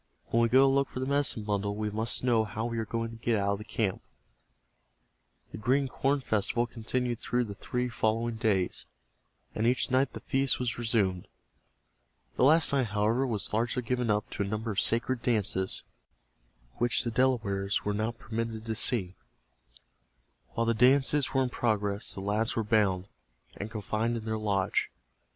When we go to look for the medicine bundle we must know how we are going to get out of the camp." The Green Corn Festival continued through the three following days, and each night the feast was resumed. The last night, however, was largely given up to a number of sacred dances which the Delawares were not permitted to see. While the dances were in progress the lads were bound, and confined in their lodge.